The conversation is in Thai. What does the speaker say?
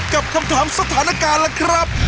กับคำถามสถานการณ์ล่ะครับ